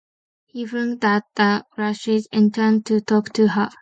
He flung down the brushes, and turned to talk to her.